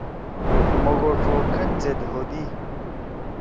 موگوڇو کھن زید ہودی۔